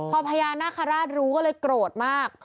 พอพญานาคาราชรู้ก็เลยโกรธมาก